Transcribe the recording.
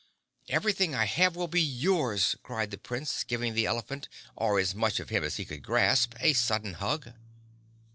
"Everything I have will be yours," cried the Prince, giving the elephant, or as much of him as he could grasp, a sudden hug.